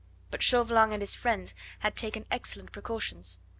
But Chauvelin and his friends had taken excellent precautions.